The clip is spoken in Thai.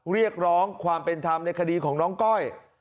เรียกร้องความเป็นธรรมในคดีของน้องก้อย